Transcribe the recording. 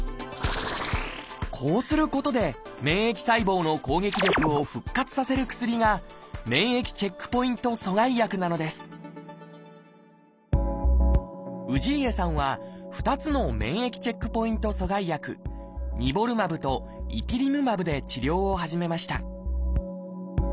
こうすることで免疫細胞の攻撃力を復活させる薬が免疫チェックポイント阻害薬なのです氏家さんは２つの免疫チェックポイント阻害薬「ニボルマブ」と「イピリムマブ」で治療を始めました